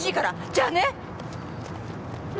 じゃあね。